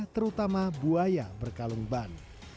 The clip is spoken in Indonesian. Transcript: terutama buaya berkalung ban